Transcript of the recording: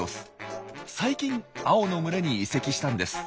最近青の群れに移籍したんです。